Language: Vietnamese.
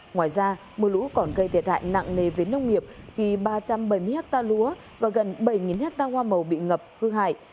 ngoài ra mưa lũ còn gây thiệt hại nặng nề với nông nghiệp khi ba trăm bảy mươi ha lúa và gần bảy ha hoa màu bị ngập hư hại